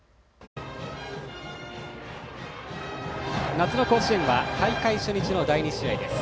夏の甲子園は大会初日の第２試合です。